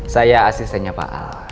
saya asistennya pak al